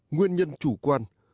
nguyên nhân chủ quan